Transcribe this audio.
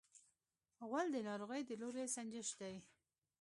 غول د ناروغۍ د لوری سنجش دی.